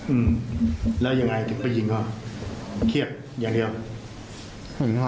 อืมแล้วยังไงถึงไปยิงเขาเครียดอย่างเดียวอืม